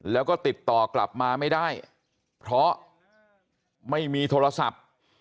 แล้วก็ติดต่อกลับมาไม่ได้เพราะไม่มีโทรศัพท์